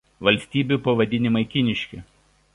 Valstybių pavadinimai kiniški.